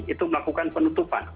itu melakukan penutupan